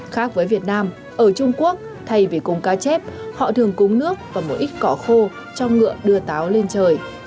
khác với việt nam ở trung quốc thay vì cúng cá chép họ thường cúng nước và một ít cỏ khô cho ngựa đưa táo lên trời